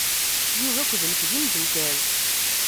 Yuba akked nekk d imdukal.